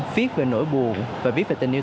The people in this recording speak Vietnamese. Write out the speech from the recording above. viết về nỗi buồn và viết về tình yêu